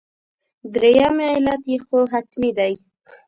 درېیم علت یې خو حتمي دی.